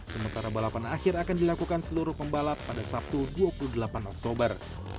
sementara balapan akhir akan dilakukan seluruh pembalap pada sabtu dua puluh delapan oktober